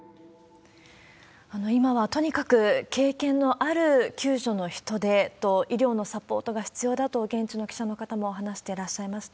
今はとにかく経験のある救助の人手と医療のサポートが必要だと現地の記者の方も話してらっしゃいました。